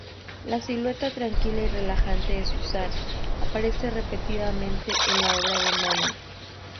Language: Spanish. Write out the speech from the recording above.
La silueta tranquila y relajante de Suzanne aparece repetidamente en la obra de Manet.